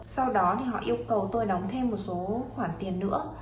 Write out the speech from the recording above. sau đó thì họ yêu cầu tôi đóng thêm một số khoản tiền nữa